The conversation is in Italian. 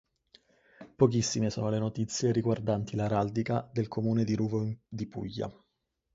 Pochissime sono le notizie riguardanti l'araldica del comune di Ruvo di Puglia.